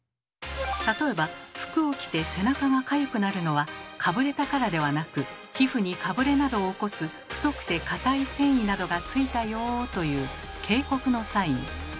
例えば服を着て背中がかゆくなるのはかぶれたからではなく皮膚にかぶれなどを起こす太くて硬い繊維などがついたよという警告のサイン。